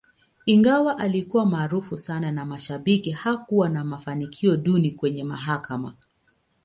Ingawa alikuwa maarufu sana na mashabiki, hakuwa na mafanikio duni kwenye mahakama.